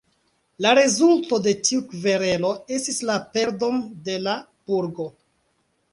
La rezulto de tiu kverelo estis la perdon de la burgo.